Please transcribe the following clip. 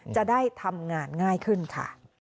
จะได้ทำงานง่ายขึ้นค่ะ